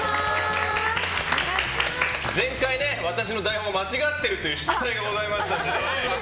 前回、私の台本が間違っているという失態がございましたので。